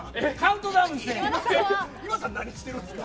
今田さん、何してるんですか。